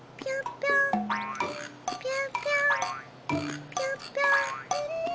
ぴょんぴょん！